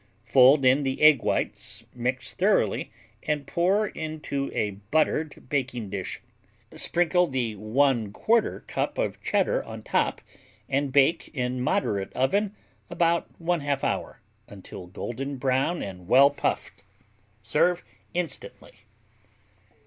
Fold in the egg whites, mix thoroughly and pour into a buttered baking dish. Sprinkle the 1/4 cup of Cheddar on top and bake in moderate oven about 1/2 hour, until golden brown and well puffed. Serve instantly.